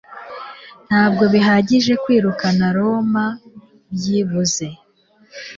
Ntabwo bihagije kwirukana Roma byibuze